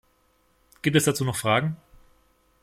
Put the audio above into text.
Gibt es dazu noch Fragen?